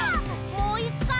もういっかい！